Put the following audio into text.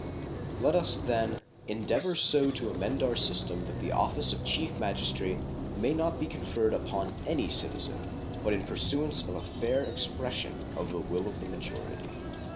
Let us, then, endeavor so to amend our system that the office of Chief Magistrate may not be conferred upon any citizen but in pursuance of a fair expression of the will of the majority.